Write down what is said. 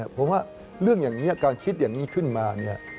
ผมว่าเรื่องอย่างนี้การคิดอย่างนี้ขึ้นมาเนี่ย